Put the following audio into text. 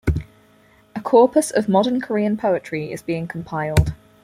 A corpus of modern Korean poetry is being compiled.